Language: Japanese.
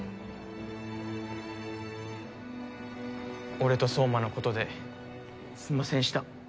俺と壮磨のことですんませんした